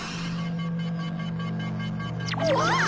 うわっ！